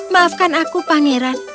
maafkan aku pangeran